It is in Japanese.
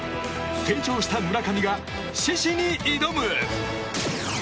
成長した村上が獅子に挑む！